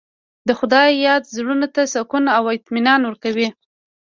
د خدای یاد زړونو ته سکون او اطمینان ورکوي.